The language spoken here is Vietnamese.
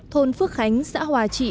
thôn phước khánh xã hòa trị